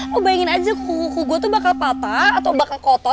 lo bayangin aja kuku kuku gue tuh bakal patah atau bakal kotor